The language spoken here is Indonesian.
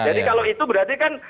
jadi kalau itu berarti kan